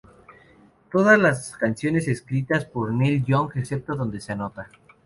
Todas las canciones escritas por Neil Young excepto donde se anota.